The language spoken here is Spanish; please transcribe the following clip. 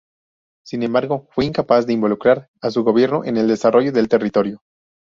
Sin embargo, fue incapaz de involucrar a su gobierno en el desarrollo del territorio.